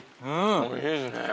おいしいですね。